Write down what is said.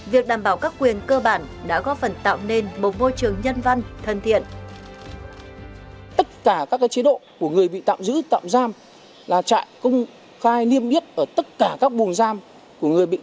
việc đảm bảo các quyền cơ bản đã góp phần tạo nên một môi trường nhân văn